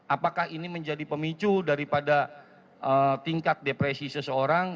apakah ini menjadi pemicu daripada tingkat depresi seseorang